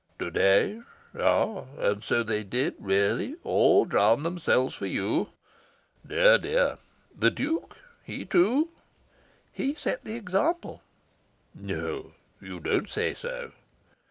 "To day?... Ah, and so they did really all drown themselves for you?... Dear, dear!... The Duke he, too?" "He set the example." "No! You don't say so!